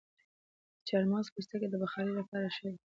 د چارمغز پوستکي د بخارۍ لپاره ښه دي؟